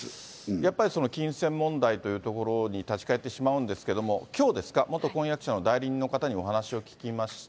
やっぱり金銭問題というところに立ち返ってしまうんですけれども、きょうですか、元婚約者の代理人の方にお話を聞きました。